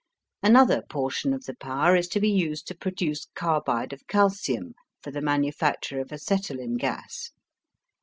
Another portion of the power is to be used to produce carbide of calcium for the manufacture of acetylene gas.